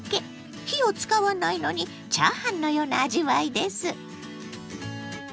火を使わないのにチャーハンのような味わいです。